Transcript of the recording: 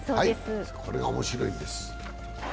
これは面白いです。